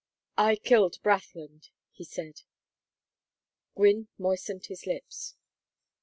"I killed Brathland," he said. Gwynne moistened his lips.